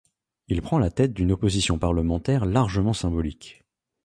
Il prend la tête d'une Opposition parlementaire largement symbolique.